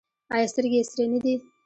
ایا سترګې یې سرې نه دي؟